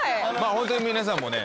ホントに皆さんもね